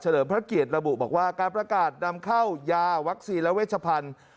เลิมพระเกียรติระบุบอกว่าการประกาศนำเข้ายาวัคซีนและเวชพันธุ์